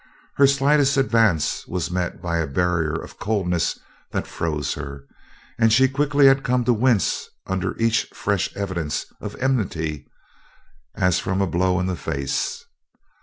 Her slightest advance was met by a barrier of coldness that froze her, and she quickly had come to wince under each fresh evidence of enmity as from a blow in the face.